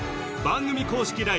番組公式